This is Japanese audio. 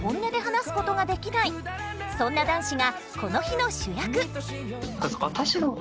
そんな男子がこの日の主役。